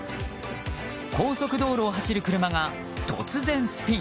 高速道路を走る車が突然スピン。